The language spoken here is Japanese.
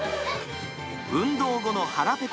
運動後の腹ペコ